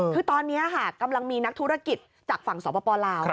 คือตอนนี้ค่ะกำลังมีนักธุรกิจจากฝั่งสปลาว